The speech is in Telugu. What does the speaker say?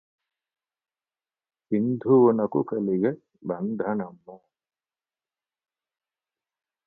సింధువునకు గలిగె బంధనమ్ము